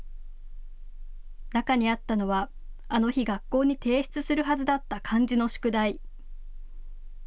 中にあったのはあの日、学校に提出するはずだった漢字の宿題。